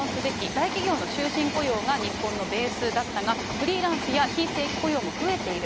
大企業の終身雇用が日本のベースだったが、フリーランスや非正規雇用も増えている。